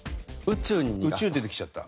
「宇宙」出てきちゃった。